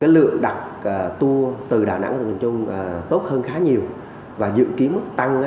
lượng đặt tour từ đà nẵng đến miền trung tốt hơn khá nhiều và dự kiến mức tăng khoảng hai mươi ba mươi so với cùng kỳ năm ngoái